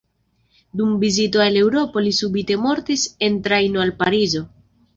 Dum vizito al Eŭropo li subite mortis en trajno al Parizo.